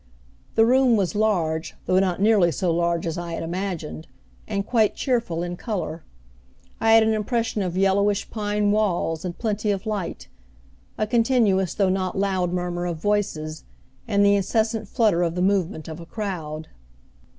The room was large, though not nearly so large as I had imagined, and quite cheerful in color. I had an impression of yellowish pine walls and plenty of light, a continuous though not loud murmur of voices and the incessant flutter of the movement of a crowd.